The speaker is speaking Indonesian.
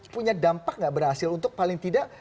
punya dampak nggak berhasil untuk paling tidak